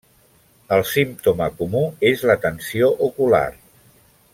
El símptoma comú és la tensió ocular.